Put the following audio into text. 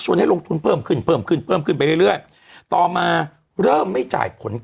ให้ลงทุนเพิ่มขึ้นขึ้นไปเรื่อยต่อมาเริ่มไม่จ่ายผล